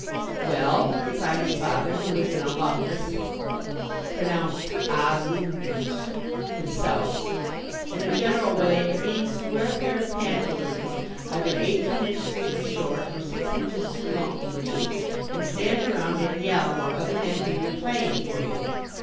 "Well," replied his father, who was an alumnus (pronounced ahloomnoose) himself, "in a general way it means to wear a pair of pantaloons either eighteen inches too short or six inches too long for you, and stand around and yell while other men do your playing for you.